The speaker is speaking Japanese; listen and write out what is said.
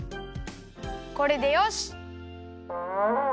これでよし！